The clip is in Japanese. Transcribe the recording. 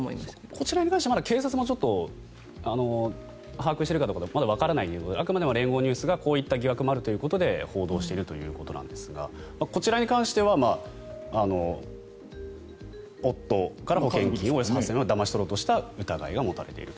こちらに関しては警察も把握しているかわからないということであくまでも連合ニュースがこういう疑惑もあるということで報道しているということですがこちらに関しては夫からも保険金８０００万円をだまし取ろうとした疑いが持たれている。